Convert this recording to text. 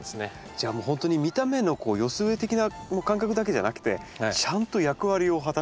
じゃあもう本当に見た目の寄せ植え的な感覚だけじゃなくてちゃんと役割を果たしてくれますね。